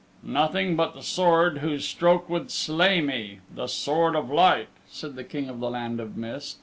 "Nothing but the sword whose stroke would slay me the Sword of Light," said the King of the Land of Mist.